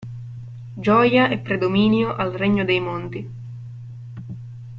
Gioia e predominio al regno dei monti.